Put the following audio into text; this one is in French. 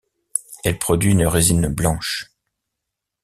Elle produit une résine blanche.